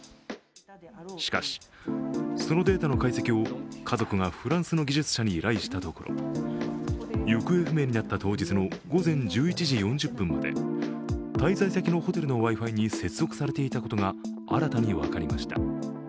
しかし、そのデータの解析を家族がフランスの技術者に依頼したところ、行方不明になった当日の午前１１時４０分まで滞在先のホテルのＷｉ−Ｆｉに接続されていたことが新たに分かりました。